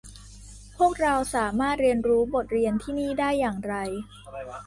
พวกเราสามารถเรียนรู้บทเรียนที่นี่ได้อย่างไร